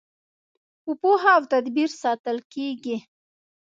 په پوهه او تدبیر ساتل کیږي.